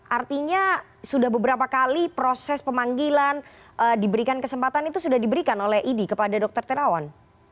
artinya sudah beberapa kali proses pemanggilan diberikan kesempatan itu sudah diberikan oleh idi kepada dr terawan